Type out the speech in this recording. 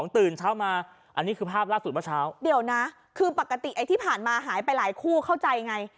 ตื่นเช้ามาอันนี้คือภาพล่าสุดเมื่อเช้าเดี๋ยวนะคือปกติไอ้ที่ผ่านมาหายไปหลายคู่เข้าใจไง